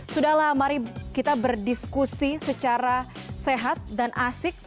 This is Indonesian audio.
sudahlah mari kita berdiskusi secara sehat dan asik